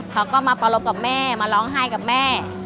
เขาก็มาปรบกับแม่มาร้องไห้กับแม่